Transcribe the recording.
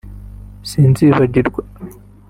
Sinzibagirwa